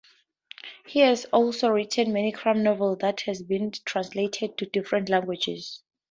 He has also written many crime novels that have been translated to different languages.